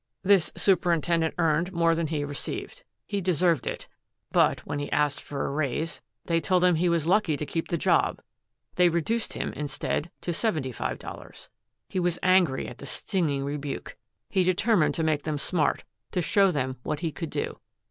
"This superintendent earned more than he received. He deserved it. But when he asked for a raise, they told him he was lucky to keep the job, they reduced him, instead, to seventy five dollars. He was angry at the stinging rebuke. He determined to make them smart, to show them what he could do.